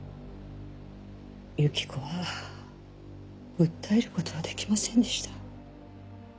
由紀子は訴えることはできませんでした。